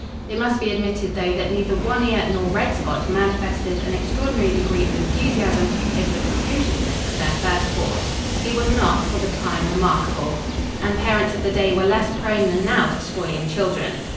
It must be admitted, though, that neither One Ear nor Red Spot manifested an extraordinary degree of enthusiasm over the precociousness of their first born. He was not, for the time, remarkable, and parents of the day were less prone than now to spoiling children.